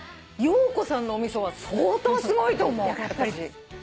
ヨウコさんのお味噌は相当すごいと思う。